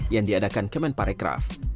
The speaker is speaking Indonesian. yang diadakan kemenparekraf